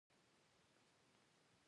هغه ټوله سلامتيا ده، تر سهار راختلو پوري